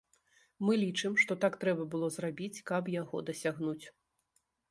Мы лічым, што так трэба было зрабіць, каб яго дасягнуць.